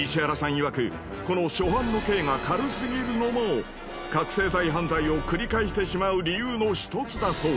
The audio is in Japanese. いわくこの初犯の刑が軽すぎるのも覚せい剤犯罪を繰り返してしまう理由の１つだそう。